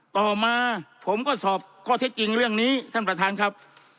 ต่อมาผมก็สอบข้อเท็จจริงเรื่องนี้ท่านประธานครับ